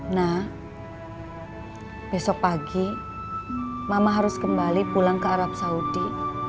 nah besok pagi mama harus kembali pulang ke arab saudi